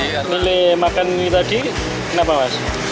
nilai makan ini tadi kenapa mas